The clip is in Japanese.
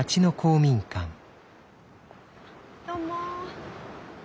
どうも。